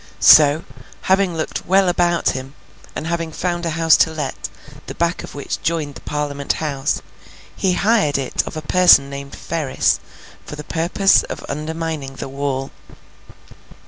So, having looked well about him, and having found a house to let, the back of which joined the Parliament House, he hired it of a person named Ferris, for the purpose of undermining the wall.